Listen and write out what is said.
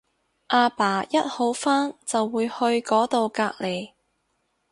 阿爸一好翻就會去嗰到隔離